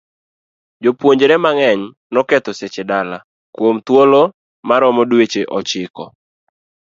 Jopuonjre mang'eny noketho seche dala kuom thuolo maromo dweche ochiko.